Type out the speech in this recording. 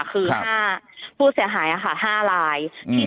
คือผู้เสียหายอะค่ะ๕ไลน์